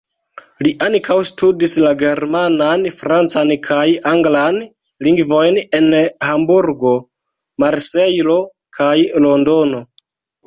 Li ankaŭ studis la germanan, francan kaj anglan lingvojn en Hamburgo, Marsejlo kaj Londono.